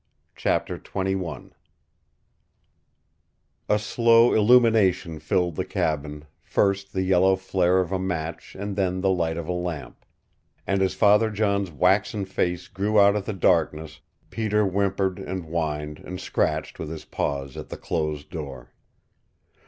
CHAPTER XXI A slow illumination filled the cabin, first the yellow flare of a match and then the light of a lamp, and as Father John's waxen face grew out of the darkness Peter whimpered and whined and scratched with, his paws at the closed door.